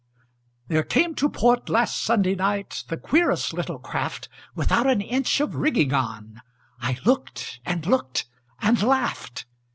There came to port last Sunday night The queerest little craft, Without an inch of rigging on; I looked and looked and laughed.